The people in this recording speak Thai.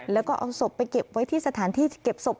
แล้วก็เอาศพไปเก็บไว้ที่สถานที่เก็บศพ